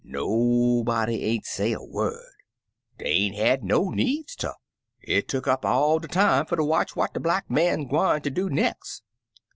Nobody ain't say a word; dey ain't had no needs ter; it took up all der time fer ter watch what de Black Man gwine ter do nex*.